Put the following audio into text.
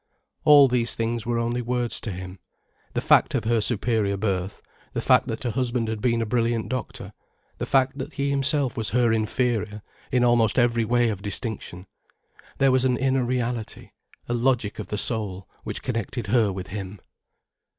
All these things were only words to him, the fact of her superior birth, the fact that her husband had been a brilliant doctor, the fact that he himself was her inferior in almost every way of distinction. There was an inner reality, a logic of the soul, which connected her with him.